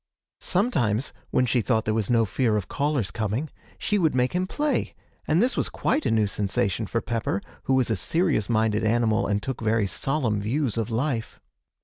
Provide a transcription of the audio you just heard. Sometimes, when she thought there was no fear of callers coming, she would make him play, and this was quite a new sensation for Pepper, who was a serious minded animal, and took very solemn views of life.